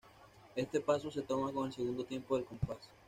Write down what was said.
Este paso se toma en el segundo tiempo del compás.